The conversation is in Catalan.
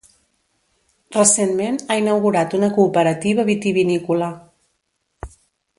Recentment ha inaugurat una cooperativa vitivinícola.